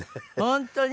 本当に？